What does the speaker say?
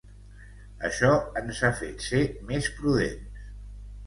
Això ens ha fet ser més prudents.